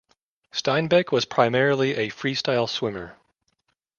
Steinbeck was primarily a freestyle swimmer.